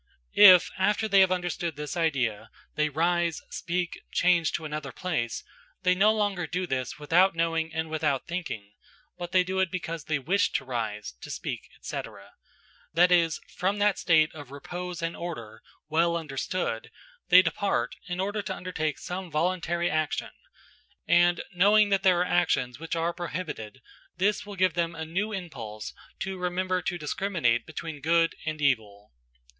If, after they have understood this idea, they rise, speak, change to another place, they no longer do this without knowing and without thinking, but they do it because they wish to rise, to speak, etc.; that is, from that state of repose and order, well understood, they depart in order to undertake some voluntary action; and knowing that there are actions which are prohibited, this will give them a new impulse to remember to discriminate between good and evil.